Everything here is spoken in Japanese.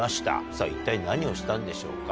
さぁ一体何をしたんでしょうか？